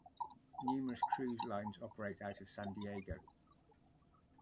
Numerous cruise lines operate out of San Diego.